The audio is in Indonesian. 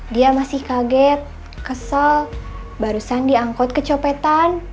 dia masih kaget kesel barusan diangkut kecopetan